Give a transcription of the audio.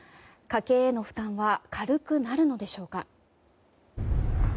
家計への負担は軽くなるのでしょうか。